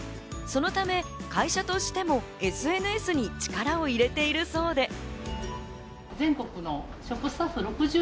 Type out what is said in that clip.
そのため、会社としてもＳＮＳに力を入れているそうで。